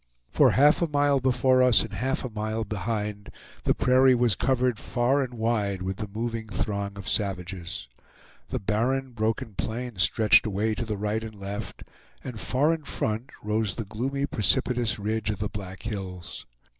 For half a mile before us and half a mile behind, the prairie was covered far and wide with the moving throng of savages. The barren, broken plain stretched away to the right and left, and far in front rose the gloomy precipitous ridge of the Black Hills.